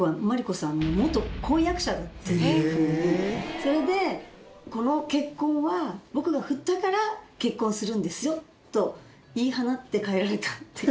それでこの結婚は僕が振ったから結婚するんですよと言い放って帰られたっていう。